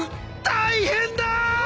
大変だ！